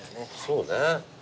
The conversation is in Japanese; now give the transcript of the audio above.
そうね。